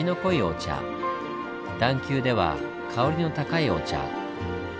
段丘では香りの高いお茶。